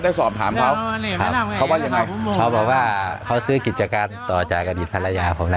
ได้สอบถามเขาเขาว่ายังไงเขาบอกว่าเขาซื้อกิจการต่อจากอดีตภรรยาผมนะ